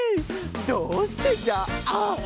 どうしてじゃああああ。